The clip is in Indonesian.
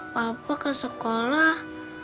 papa ke sekolah